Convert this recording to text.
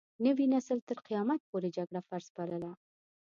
نوي نسل تر قيامت پورې جګړه فرض بلله.